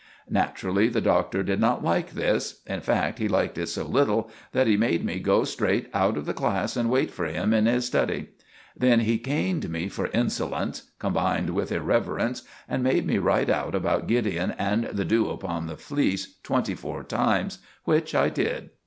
Naturally the Doctor did not like this. In fact, he liked it so little that he made me go straight out of the class and wait for him in his study. Then he caned me for insolence, combined with irreverence, and made me write out about Gideon and the dew upon the fleece twenty four times; which I did.